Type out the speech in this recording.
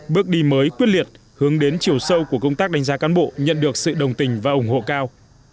bước đi mới quyết liệt hướng đến chiều sâu của công tác đánh giá cán bộ nhận được sự đồng tình và ủng hộ cao